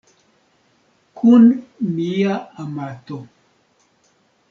Kun mia amato.